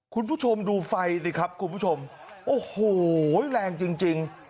คุณผู้ชมดูไฟสิครับคุณผู้ชมโอ้โหแรงจริง